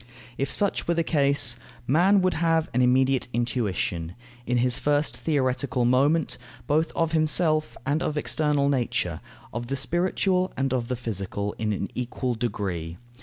If such were the case, man would have an immediate intuition, in his first theoretical moment, both of himself and of external nature, of the spiritual and of the physical, in an equal degree.